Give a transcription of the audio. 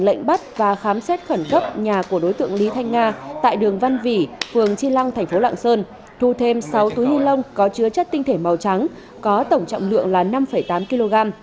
lệnh bắt và khám xét khẩn cấp nhà của đối tượng lý thanh nga tại đường văn vỉ phường chi lăng thành phố lạng sơn thu thêm sáu túi ni lông có chứa chất tinh thể màu trắng có tổng trọng lượng là năm tám kg